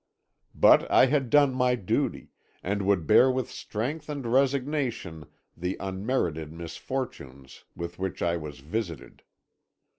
But I had done my duty, and would bear with strength and resignation the unmerited misfortunes with which I was visited.